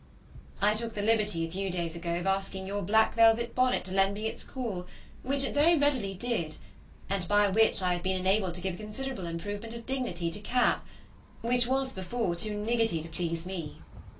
I took the liberty a few days ago of asking your black velvet bonnet to lend me its cawl, which it very readily did, and by which I have been enabled to give a considerable improvement of dignity to cap, which was before too nidgetty to please me.